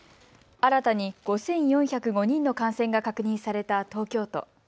新たに５４０５人の感染が確認された東京都。